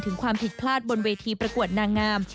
ความผิดพลาดบนเวทีประกวดนางงาม